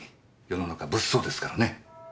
世の中物騒ですからね。